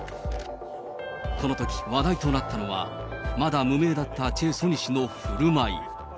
このとき話題となったのは、まだ無名だったチェ・ソニ氏のふるまい。